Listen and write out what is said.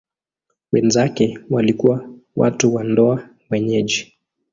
Wenzake walikuwa watu wa ndoa wenyeji.